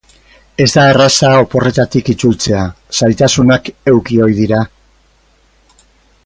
Ez da erraza oporretatik itzultzea, zailtasunak eduki ohi dira.